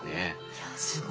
いやすごい。